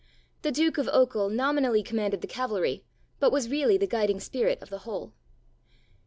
The Duke of Ochil nominally commanded the cavalry, but was really the guiding spirit of the whole.